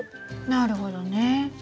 なるほどね。